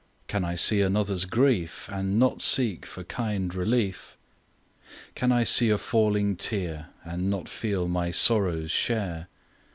Can I see another's grief, And not seek for kind relief? Can I see a falling tear, And not feel my sorrow's share?